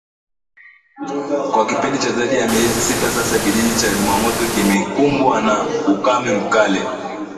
Kwa kipindi cha zaidi ya miezi sita sasa kijiji cha Zimamoto kimekumbwa na ukame mkali